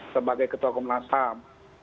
sebagai ketua komnas ham